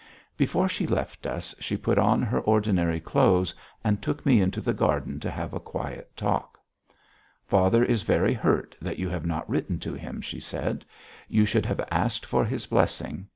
Before she left us, she put on her ordinary clothes, and took me into the garden to have a quiet talk. "Father is very hurt that you have not written to him," she said. "You should have asked for his blessing.